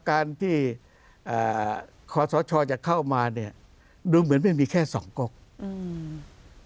การที่อ่าขอสชจะเข้ามาเนี้ยดูเหมือนไม่มีแค่สองกกอืม